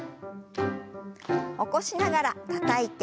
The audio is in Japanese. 起こしながらたたいて。